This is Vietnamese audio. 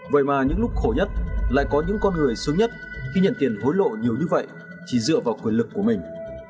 vậy mà những lúc khổ nhất lại có những con người xuống nhất khi nhận tiền hối lộ nhiều như vậy chỉ dựa vào quyền lực của mình